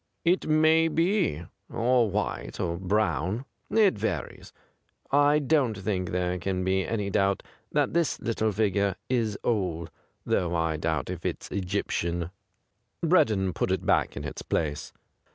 ' It may be — or white — or brown. It varies. I don't think there can be any doubt that this little figure is old, though I doubt if it's Egyp tian.' Breddon put it back in its place.